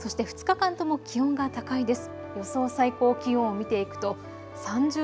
そして２日間とも気温が高いです。